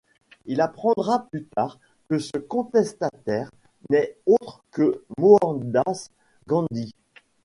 Il apprendra plus tard que ce contestataire n'est autre que Mohandas Gandhi.